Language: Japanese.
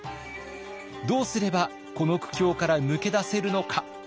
どうすればこの苦境から抜け出せるのか。